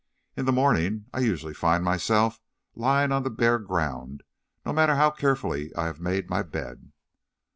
"In the morning I usually find myself lying on the bare ground, no matter how carefully I have made my bed."